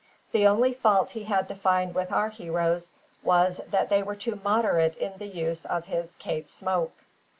The only fault he had to find with our heroes was, that they were too moderate in the use of his "Cape Smoke."